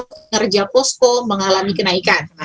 penerja posko mengalami kenaikan